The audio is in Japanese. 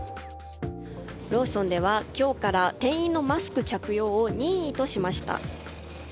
ローソンでは今日から店員のマスク着用を任意としました。